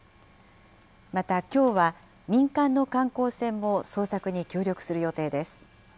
またきょうは民間の観光船も捜索に協力する予定です。